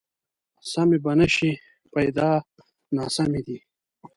سمې به نه شي، پیدا ناسمې دي